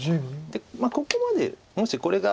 まあここまでもしこれが。